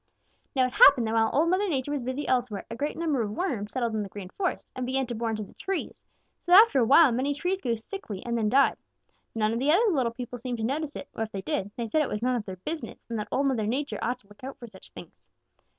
"Now it happened that while Old Mother Nature was busy elsewhere, a great number of worms settled in the Green Forest and began to bore into the trees, so that after a while many trees grew sickly and then died. None of the other little people seemed to notice it, or if they did, they said it was none of their business and that Old Mother Nature ought to look out for such things.